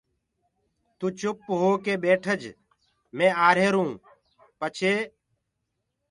تو چُپ هوڪي ٻيٺج مي آهيروٚ پڇي